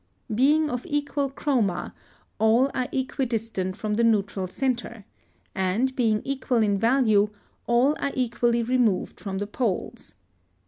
Being of equal chroma, all are equidistant from the neutral centre, and, being equal in value, all are equally removed from the poles.